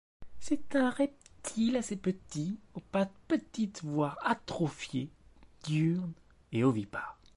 C'est un reptile assez petits, aux pattes petites voire atrophiées, diurnes, et ovipares.